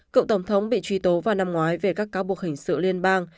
cựu tổng thống bị truy tố vào năm ngoái về các cáo buộc hình sự liên bang